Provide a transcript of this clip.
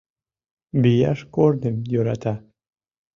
Вияш корным йӧрата.